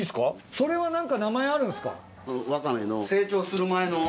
それは何か名前あるんですか？